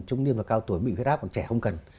trung niên và cao tuổi bị huyết áp còn trẻ không cần